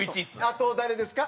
あと誰ですか？